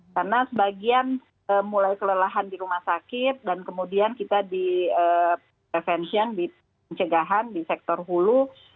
karena sebagian mulai kelelahan di rumah sakit dan kemudian kita di prevention di pencegahan di sektor hulu